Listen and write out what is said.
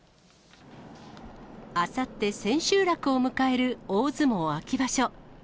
あさって千秋楽を迎える大相撲秋場所。